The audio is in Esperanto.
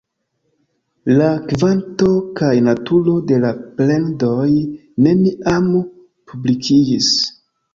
La kvanto kaj naturo de la plendoj neniam publikiĝis.